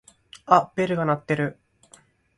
あっベルが鳴ってる。